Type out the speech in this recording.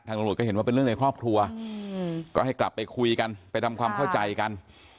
ตำรวจก็เห็นว่าเป็นเรื่องในครอบครัวก็ให้กลับไปคุยกันไปทำความเข้าใจกัน